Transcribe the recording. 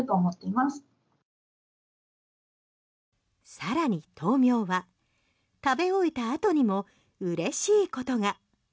更に豆苗は食べ終えたあとにもうれしいことが。